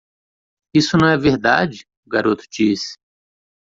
"Isso não é verdade,?" o garoto disse.